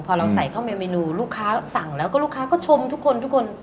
พอเราใส่เข้าไปเมนูลูกค้าสั่งแล้วก็ลูกค้าก็ชมทุกคนทุกคน